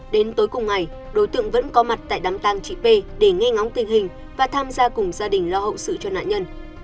đến tối cùng ngày đối tượng vẫn có mặt tại đám tàng chị p để nghe ngóng tình hình và tham gia cùng gia đình lo hậu sự cho nạn nhân